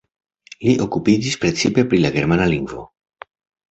Li okupiĝis precipe pri la germana lingvo.